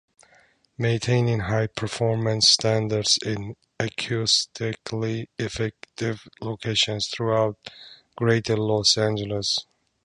Maintaining high performance standards in acoustically effective locations throughout Greater Los Angeles.